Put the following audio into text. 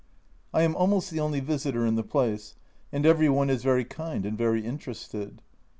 I am almost the only visitor in the place, and every one is very kind and very interested.